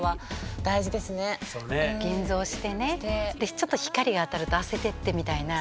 現像してねちょっと光が当たるとあせてってみたいな。